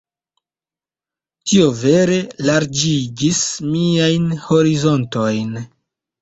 Tio vere larĝigis miajn horizontojn.